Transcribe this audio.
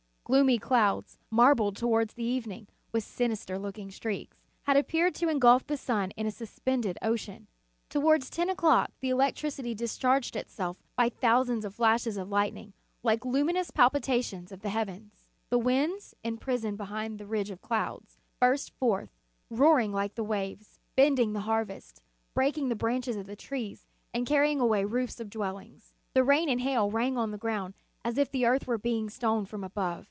Gloomy clouds, marbled, towards evening, with sinister looking streaks, had appeared to engulf the sun in a suspended ocean. Towards ten o clock the electricity 3 1 2 The Sign of the Cross. discharged itself by thousands of flashes of lightning, like luminous palpitations ot the heavens. The winds, imprisoned be hind that ridge of clouds, burst forth, roaring like the waves, bending the harvests, break ing the branches of the trees, and carrying away roofs of dwellings. The rain and hail rang on the ground as if the earth were being stoned from above.